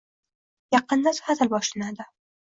Yaqinda taʼtil boshlanadi.